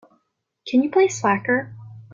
Can you play Slacker?